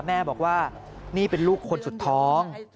แม่บอกว่านี่เป็นลูกคนสุดท้อง